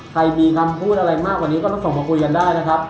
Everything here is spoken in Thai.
ใครมีคำพูดอะไรมากกว่านี้ก็ต้องส่งมาคุยกันได้นะครับ